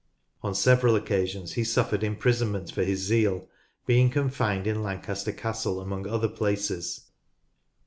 On several occasions he suffered imprisonment for his zeal, being confined in Lancaster Castle among other places.